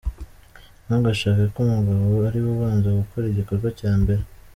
Ntugashake ko Umugabo ariwe ubanza gukora igikorwa cya mbere:.